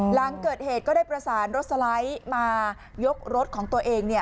หลังเกิดเหตุก็ได้ประสานรถสไลด์มายกรถของตัวเอง